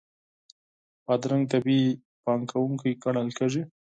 بادرنګ طبیعي پاکوونکی ګڼل کېږي.